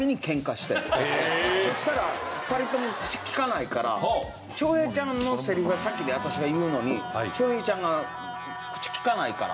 そしたら２人とも口きかないから正平ちゃんのセリフが先で私が言うのに正平ちゃんが口きかないから。